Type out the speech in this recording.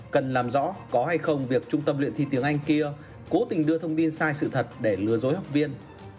cần làm rõ có hay không việc trung tâm luyện thi tiếng anh kia cố tình đưa thông tin sai sự thật để lừa dối học viên